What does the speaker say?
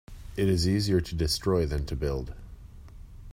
It is easier to destroy than to build.